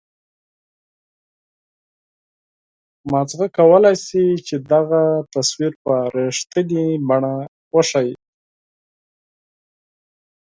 مغز کولای شي چې دغه تصویر په رښتنیې بڼه وښیي.